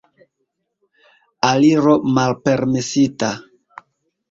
Aliro malpermesita.